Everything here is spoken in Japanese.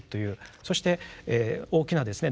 そして大きなですね